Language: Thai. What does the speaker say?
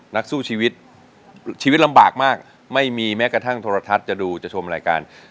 นักสู้ชีวิตชีวิตลำบากมากไม่มีแม้กระทั่งโทรทัศน์จะดูจะชมรายการ